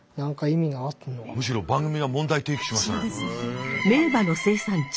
むしろ番組が問題提起しましたね。